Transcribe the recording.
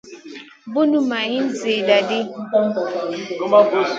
Bunu may ìhn zida di.